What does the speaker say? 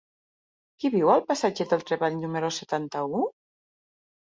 Qui viu al passatge del Treball número setanta-u?